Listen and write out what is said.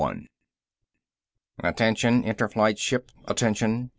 _ "Attention, Inner Flight ship! Attention!